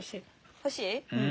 欲しい？